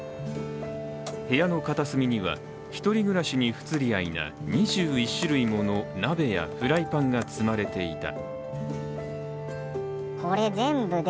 部屋の片隅には、１人暮らしに不釣り合いな２１種類もの鍋やフライパンが積まれていた。